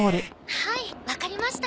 はいわかりました。